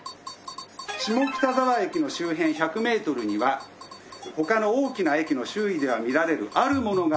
下北沢駅の周辺１００メートルには他の大きな駅の周囲では見られるあるものがありません。